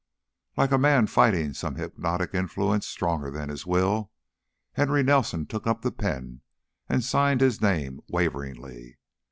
Like a man fighting some hypnotic influence stronger than his will, Henry Nelson took up the pen and signed his name waveringly.